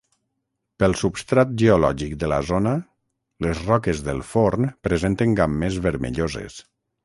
Pel substrat geològic de la zona, les roques del forn presenten gammes vermelloses.